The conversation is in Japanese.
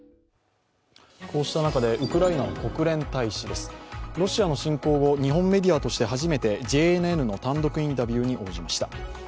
こうした中でウクライナ国連大使です、ロシアの侵攻後、日本メディアとして初めてＪＮＮの単独インタビューに応じました。